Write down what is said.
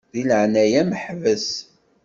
Di leɛnaya-m ḥbes.